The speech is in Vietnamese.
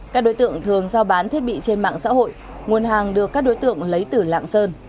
các đối tượng thường giao bán thiết bị trên mạng xã hội nguồn hàng được các đối tượng lấy từ lạng sơn